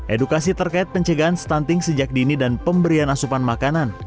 edukasi terkait pencegahan stunting sejak dini dan pemberian asupan makanan